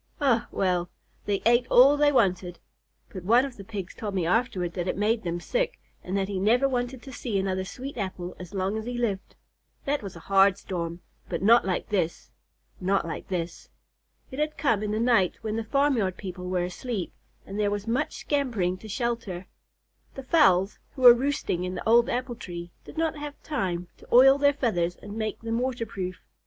Eh, well! They ate all they wanted, but one of the Pigs told me afterward that it made them sick, and that he never wanted to see another sweet apple as long as he lived. That was a hard storm, but not like this, not like this." It had come in the night when the farmyard people were asleep, and there was much scampering to shelter. The fowls, who were roosting in the old apple tree, did not have time to oil their feathers and make them water proof.